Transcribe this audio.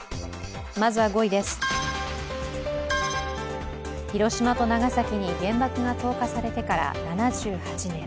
まずは５位です、広島と長崎に原爆が投下されてから７８年。